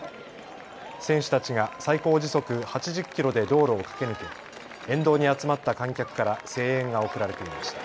選手たちが最高時速８０キロで道路を駆け抜け沿道に集まった観客から声援が送られていました。